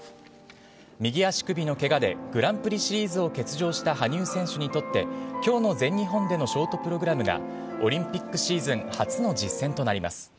右足首のケガでグランプリシリーズを欠場した羽生選手にとって今日の全日本でのショートプログラムがオリンピックシーズン初の実戦となります。